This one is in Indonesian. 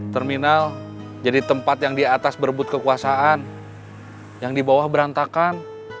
terminal jadi tempat yang di atas berebut kekuasaan yang di bawah berantakan